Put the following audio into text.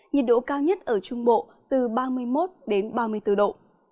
nhiệt độ cao nhất ở trung bộ từ ba mươi một đến ba mươi bốn độ